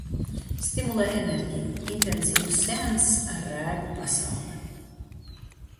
Stimulē enerģiju. Intensīvs seanss ar rēgu pasauli.